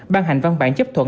ban hành văn bản chấp thuận